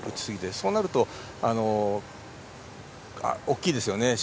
そうなると大きいですね。